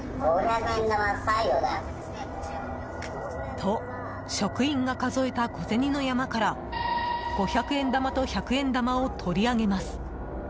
と、職員が数えた小銭の山から五百円玉と百円玉を取り上げます。